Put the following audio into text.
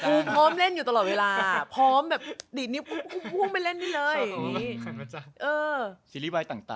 พร้อมเล่นอยู่ตลอดเวลาพร้อมแบบดีดนิ้วพุ่งไปเล่นนี่เลย